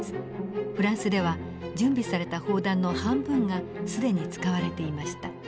フランスでは準備された砲弾の半分が既に使われていました。